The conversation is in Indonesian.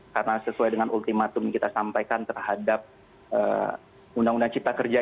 karena sesuai dengan ultimatum yang kita sampaikan terhadap undang undang cipta kerja